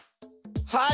はい！